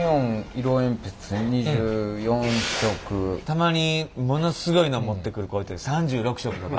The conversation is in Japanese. たまにものすごいの持ってくる子いて３６色とか。